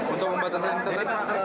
untuk membatasan internet